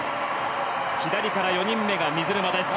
左から４人目が水沼です。